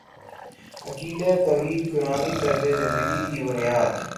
عقیدہ توحید قرآنی طرزِ زندگی کی بنیاد